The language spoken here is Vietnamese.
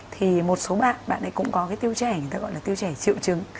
thì một số bạn cũng có tiêu chảy người ta gọi là tiêu chảy triệu chứng